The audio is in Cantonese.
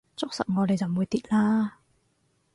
捉實我你就唔會跌啦